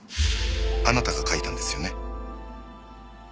あなたが書いたんですよね？